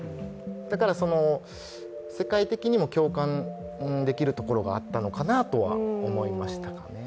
だから、世界的にも共感できるところがあったのかなとは思いましたね。